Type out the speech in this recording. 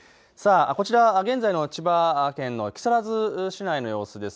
現在の千葉県の木更津市内の様子です。